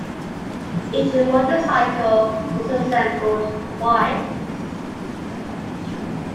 Each motorcycle was assembled twice.